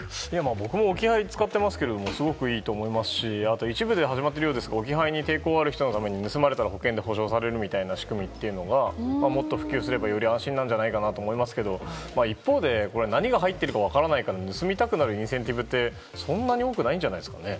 僕も置き配を使ってますけどすごくいいと思いますし一部で始まっているようですが置き配に抵抗がある人のために盗まれたら保険で補償されるみたいな仕組みがもっと普及すればより安心じゃないかと思いますけど一方で、何が入っているか分からないから、盗みたくなるインセンティブってそんなに多くないんじゃないですかね。